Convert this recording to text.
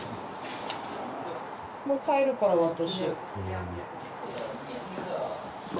もう帰るから私。